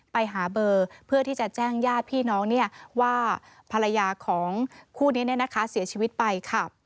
ไปหาเบอร์เพื่อที่จะแจ้งญาติพี่น้องว่าภรรยาของคู่นี้เสียชีวิตไปค่ะ